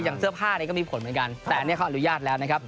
เสื้อผ้านี้ก็มีผลเหมือนกันแต่อันนี้เขาอนุญาตแล้วนะครับ